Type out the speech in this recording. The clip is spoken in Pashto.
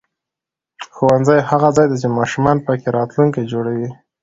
ښوونځی هغه ځای دی چې ماشومان پکې راتلونکی جوړوي